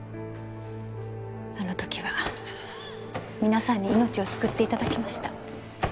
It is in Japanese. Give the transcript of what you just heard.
あの時は皆さんに命を救って頂きました。